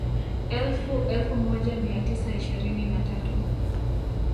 Elfu elfu moja mia tisa ishirini na tatu